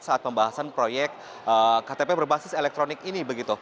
saat pembahasan proyek ktp berbasis elektronik ini